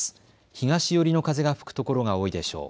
東寄りの風が吹くところが多いでしょう。